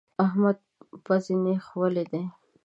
د احمد پزې نېښ ولی دی.